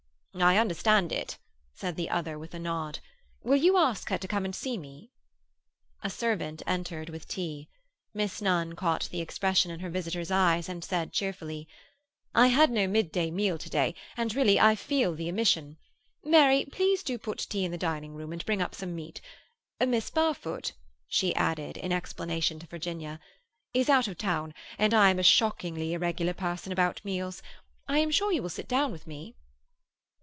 "I understand it," said the other, with a nod. "Will you ask her to come and see me?" A servant entered with tea. Miss Nunn caught the expression in her visitor's eyes, and said cheerfully— "I had no midday meal to day, and really I feel the omission. Mary, please do put tea in the dining room, and bring up some meat—Miss Barfoot," she added, in explanation to Virginia, "is out of town, and I am a shockingly irregular person about meals. I am sure you will sit down with me?"